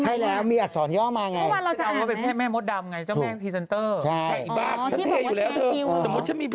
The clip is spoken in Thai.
ใช่แล้วมีอัดสอนย่อมมาไง